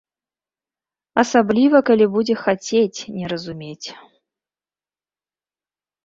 Асабліва, калі будзе хацець не разумець.